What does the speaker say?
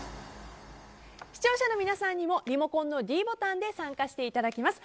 視聴者の皆さんにもリモコンのｄボタンで参加していただきます。